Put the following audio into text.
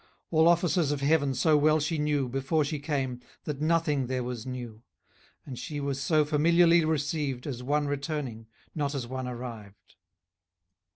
All offices of heaven so well she knew, Before she came, that nothing there was new; And she was so familiarly received, As one returning, not as one arrived.